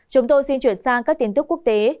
chúng tôi xin chuyển sang các tin tức quốc tế